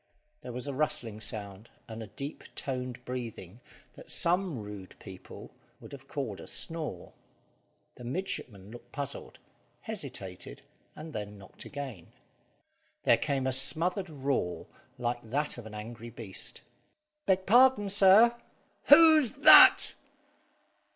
There was a rustling sound, and a deep toned breathing, that some rude people would have called a snore. The midshipman looked puzzled, hesitated, and then knocked again. There came a smothered roar, like that of an angry beast. "Beg pardon, sir." "Who's that?"